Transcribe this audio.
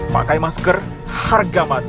pakai masker harga mati